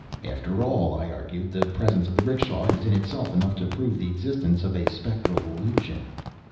"After all," I argued, "the presence of the 'rickshaw is in itself enough to prove the existence of a spectral illusion.